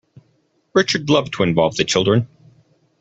Richard loved to involve the children.